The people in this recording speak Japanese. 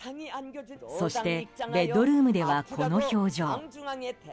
そしてベッドルームではこの表情。